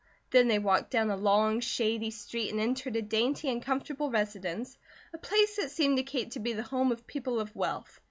Then they walked down a long shady street, and entered a dainty and comfortable residence, a place that seemed to Kate to be the home of people of wealth.